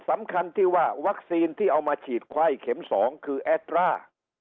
สำคัญที่ว่าวัคซีนที่เอามาฉีดไข้เข็ม๒คือแอดร่า